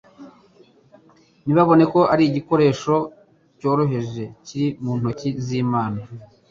ntibabone ko ari igikoresho cyoroheje kiri mu ntoke z'Imana.